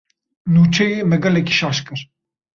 Nûçeyê, me gelekî şaş kir.